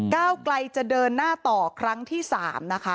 ก้าวไกลจะเดินหน้าต่อครั้งที่๓นะคะ